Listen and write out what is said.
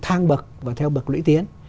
thang bậc và theo bậc lưỡi tiến